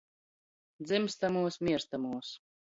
Dzymstamuos, mierstamuos,